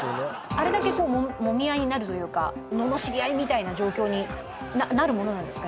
あれだけもみ合いになるというかののしり合いみたいな状況になるものなんですか？